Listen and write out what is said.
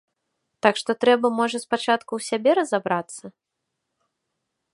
Так што трэба, можа, спачатку ў сябе разабрацца?